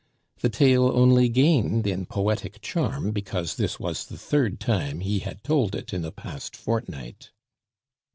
The tale only gained in poetic charm because this was the third time he had told it in the past fortnight.